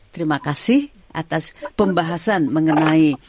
terima kasih atas pembahasan mengenai